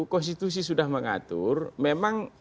konstitusi sudah mengatur memang